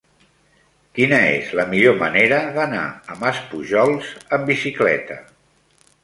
Quina és la millor manera d'anar a Maspujols amb bicicleta?